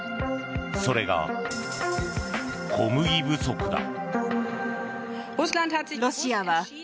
それが小麦不足だ。